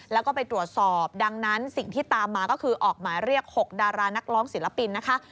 แล้วก็ไปตรวจสอบดังนั้นสิ่งที่ตามมาก็คือออกหมายเรียก๖ดารานักร้องศิลปินนะคะ